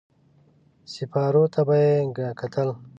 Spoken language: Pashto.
سېپارو ته به يې کتل.